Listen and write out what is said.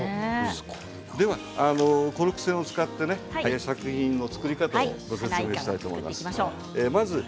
ではコルク栓を使う作品の作り方をご説明したいと思います。